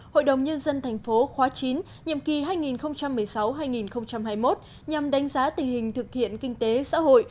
hội đồng nhân dân tp khóa chín nhiệm kỳ hai nghìn một mươi sáu hai nghìn hai mươi một nhằm đánh giá tình hình thực hiện kinh tế xã hội